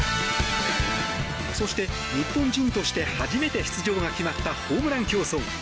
そして日本人として初めて出場が決まったホームラン競争。